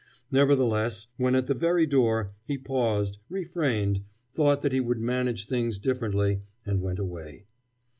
Nevertheless, when at the very door, he paused, refrained, thought that he would manage things differently, and went away.